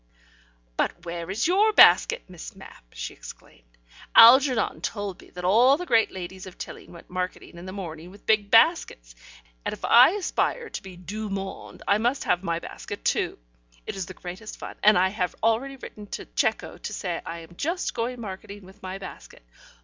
"But where is your basket, Miss Mapp?" she exclaimed. "Algernon told me that all the great ladies of Tilling went marketing in the morning with big baskets, and that if I aspired to be du monde, I must have my basket, too. It is the greatest fun, and I have already written to Cecco to say I am just going marketing with my basket.